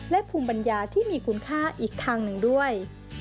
และภูมิปัญญาที่มีคุณค่าอีกทางหนึ่งด้วย